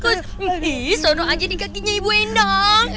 eh suara aja nih kakinya ibu endang